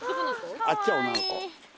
あっちは女の子。